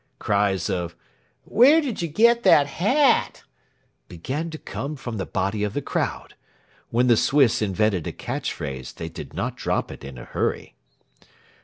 Cries of "Where did you get that hat?" began to come from the body of the crowd. When the Swiss invented a catch phrase they did not drop it in a hurry.